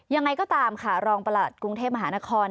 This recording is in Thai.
ยังไงก็ตามค่ะรองประหลัดกรุงเทพมหานคร